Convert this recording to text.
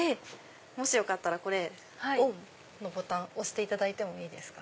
もしよかったらオンのボタン押していただいてもいいですか？